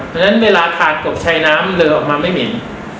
เพราะฉะนั้นเวลาขาดตกชายน้ำเลอออกมาไม่เหม็น